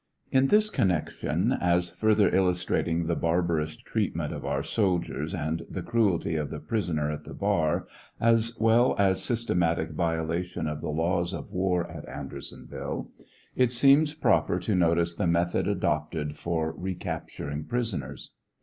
h In this connection, as further illustrating the barbarous treatment of our sol diers and the cruelty of the prisoner at the bar, as well as systematic violation of the laws of war at Andersonville, it seems proper to notice the method adopted for recapturing prisoners.